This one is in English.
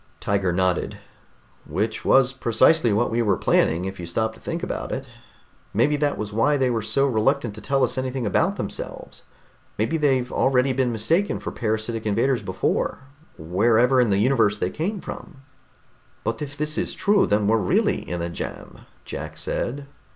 Tiger nodded. "Which was precisely what we were planning, if you stop to think about it. Maybe that was why they were so reluctant to tell us anything about themselves. Maybe they've already been mistaken for parasitic invaders before, wherever in the universe they came from." "But if this is true, then we're really in a jam," Jack said.